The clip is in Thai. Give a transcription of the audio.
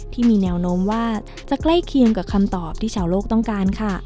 ที่มีแนวโน้มว่าจะใกล้เคียงกับคำตอบที่ชาวโลกต้องการค่ะ